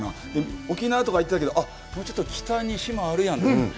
沖縄とか行ってたけど、もうちょっと北に島あるやんと。